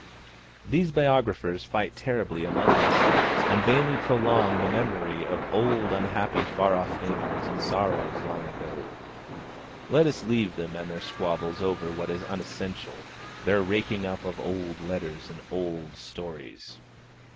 These biographers fight terribly among themselves, and vainly prolong the memory of 'old unhappy far off things, and sorrows long ago.' Let us leave them and their squabbles over what is unessential, their raking up of old letters and old stories.